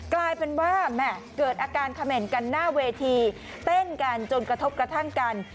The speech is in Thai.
กลายเป็นว่าเกิดอาการเขม่นกันหน้าเวทีเต้นกันจนกระทบกระทั่งกัน